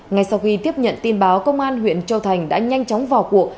ngay sau khi tiếp nhận tin báo công an huyện châu thành đã nhanh chóng vào cuộc